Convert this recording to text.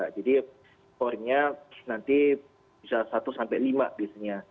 jadi skornya nanti bisa satu lima biasanya